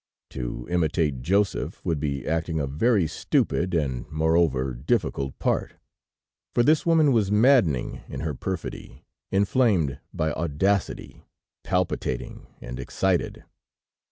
To imitate Joseph, would be acting a very stupid, and, moreover, difficult part, for this woman was maddening in her perfidy, inflamed by audacity, palpitating and excited.